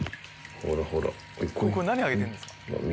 何あげてるんですか？